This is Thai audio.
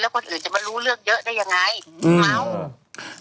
แล้วคนอื่นจะมารู้เรื่องเยอะได้ยังไงเหมา